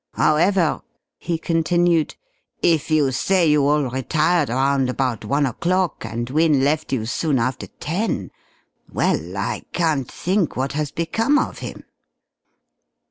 "However," he continued, "if you say you all retired around about one o'clock, and Wynne left you soon after ten well, I can't think what has become of him...."